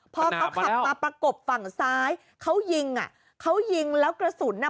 พอเขาขับมาประกบฝั่งซ้ายเขายิงอ่ะเขายิงแล้วกระสุนอ่ะ